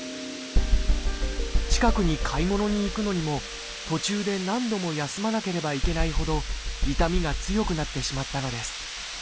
近くに買い物に行くのにも途中で何度も休まなければいけないほど痛みが強くなってしまったのです。